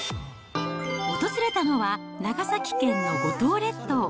訪れたのは、長崎県の五島列島。